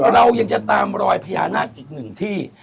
เรายังจะตามรอยพญานาคอีกหนึ่งที่